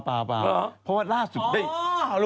จากกระแสของละครกรุเปสันนิวาสนะฮะ